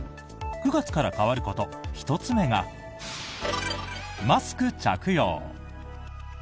９月から変わること、１つ目がマスク着用。